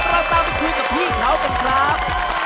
เราตามไปคุยกับพี่เขากันครับ